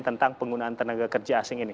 tentang penggunaan tenaga kerja asing ini